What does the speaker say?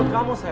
buat kamu sel